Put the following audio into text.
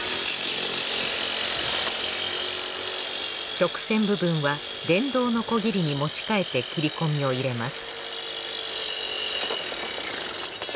曲線部分は電動ノコギリに持ち替えて切り込みを入れます